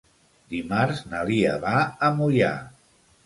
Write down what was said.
Dimarts na Lia va a Moià.